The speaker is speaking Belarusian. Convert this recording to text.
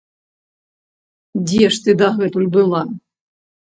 Дзе ж ты дагэтуль была?